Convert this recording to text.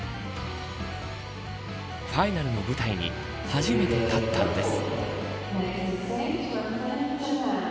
ファイナルの舞台に初めて立ったのです。